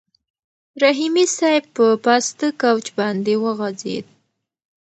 رحیمي صیب په پاسته کوچ باندې وغځېد.